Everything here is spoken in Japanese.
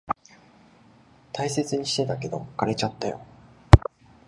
大切にしてたけど、枯れちゃったよ。